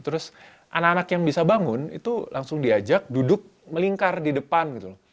terus anak anak yang bisa bangun itu langsung diajak duduk melingkar di depan gitu loh